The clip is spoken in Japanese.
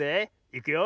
いくよ。